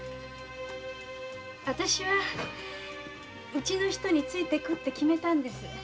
あたしはうちの人について行くって決めたんです。